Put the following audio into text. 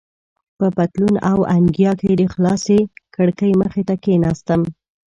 په پتلون او انګیا کې د خلاصې کړکۍ مخې ته کېناستم.